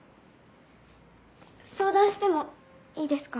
相談してもいいですか？